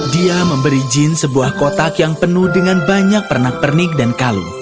dia memberi jin sebuah kotak yang penuh dengan banyak pernak pernik dan kalung